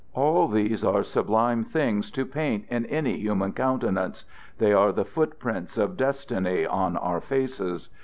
All these are sublime things to paint in any human countenance; they are the footprints of destiny on our faces.